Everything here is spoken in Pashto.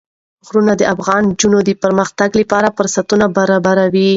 غرونه د افغان نجونو د پرمختګ لپاره فرصتونه برابروي.